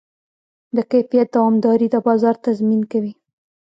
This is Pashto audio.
د کیفیت دوامداري د بازار تضمین کوي.